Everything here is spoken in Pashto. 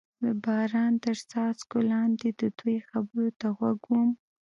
د باران تر څاڅکو لاندې د دوی خبرو ته غوږ ووم.